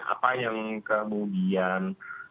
apa yang kemudian